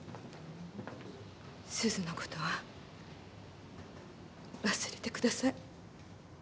鈴のことは忘れてください。